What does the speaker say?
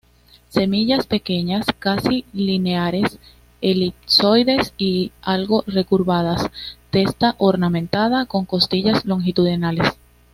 Semillas pequeñas, casi lineares, elipsoides y algo recurvadas, testa ornamentada, con costillas longitudinales.